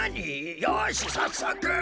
よしさっそく！